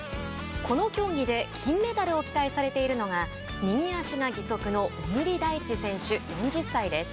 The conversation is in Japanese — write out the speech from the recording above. この競技で金メダルを期待されているのが右足が義足の小栗大地選手４０歳です。